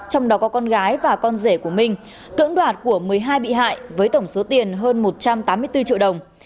trong đó có con gái và con rể của minh cưỡng đoạt của một mươi hai bị hại với tổng số tiền hơn một trăm tám mươi bốn triệu đồng